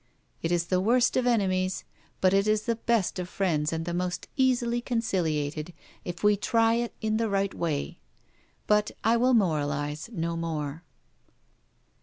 It is the worst of enemies; but it is the best of friends and the most easily conciliated, if we try in the right way. But I will moralise no more.